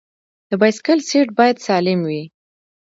د بایسکل سیټ باید سالم وي.